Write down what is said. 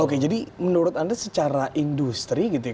oke jadi menurut anda secara industri gitu ya